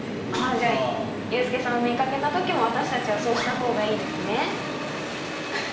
じゃユースケさんを見かけたときも私たちはそうしたほうがいいですね。